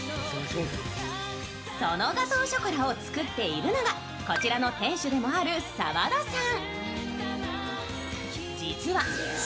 そのガトーショコラを作っているのが、こちらの店主でもある澤田さん。